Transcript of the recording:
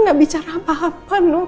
gak bicara apa apa loh